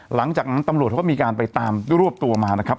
หลังจากนั้นตำรวจเขาก็มีการไปตามด้วยรวบตัวมานะครับ